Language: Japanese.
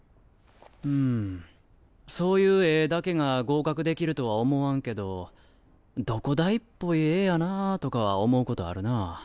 うんそういう絵だけが合格できるとは思わんけどどこ大っぽい絵やなぁとかは思うことあるな。